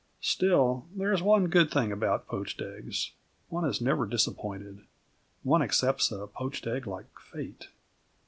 Still, there is one good thing about poached eggs: one is never disappointed. One accepts a poached egg like fate.